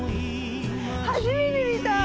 初めて見た！